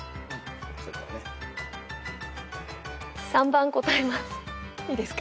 ３番答えます。